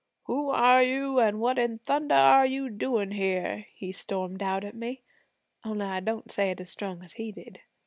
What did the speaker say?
'"Who are you, an' what in thunder are you doing here?" he stormed out at me only I don't say it as strong as he did.